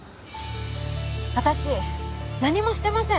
私何もしてません。